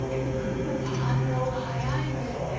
反応が早いんですね。